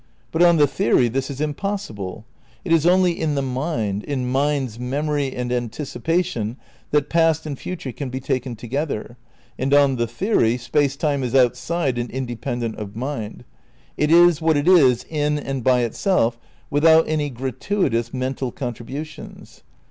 But on the theory this is impossible. It is only in the mind, in mind's memory and anticipation that past and future can be taken together, and on the theory Space Time is outside and independent of mind; it is what it is in and by itself, without any gratuitous mental contributions.